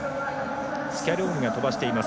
スキャローニが飛ばしています。